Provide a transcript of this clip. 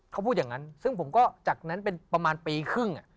เขาพูดอย่างนั้นซึ่งผมก็จากนั้นเป็นประมาณปีครึ่ง